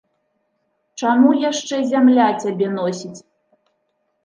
Чаму яшчэ зямля цябе носіць?